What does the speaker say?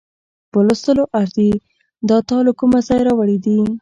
په لوستلو ارزي، دا تا له کومه ځایه راوړې دي؟